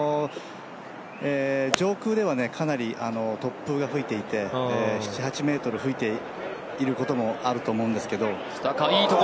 上空ではかなり突風が吹いていて７８ｍ吹いていることもあると思うんですけど。